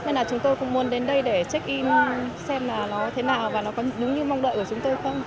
nên là chúng tôi cũng muốn đến đây để check in nó xem là nó thế nào và nó có đúng như mong đợi của chúng tôi không